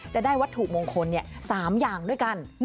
จะได้วัตถุมงคล๓อย่างด้วยกัน